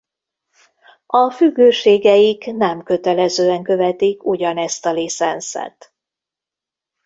A függőségeik nem kötelezően követik ugyanezt a licencet.